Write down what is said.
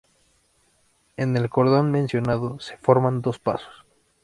En el cordón mencionado se forman dos pasos.